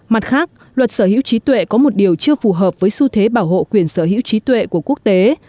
mặt khác luật sở hữu trí tuệ có một điều chưa phù hợp với xu thế bảo hộ quyền sở hữu trí tuệ của quốc tế